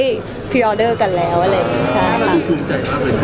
แต่จริงแล้วเขาก็ไม่ได้กลิ่นกันว่าถ้าเราจะมีเพลงไทยก็ได้